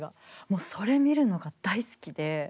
もうそれ見るのが大好きで。